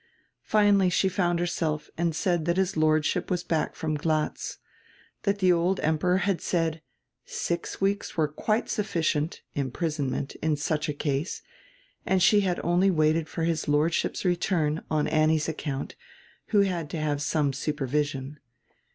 Finally she found herself and said that his Lordship was back from Glatz. That die old Emperor had said, "six weeks were quite sufficient (imprisonment) in such a case," and she had only waited for his Lordship's return, on Annie's account, who had to have some supervision.